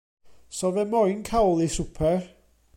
'So fe moyn cawl i swper.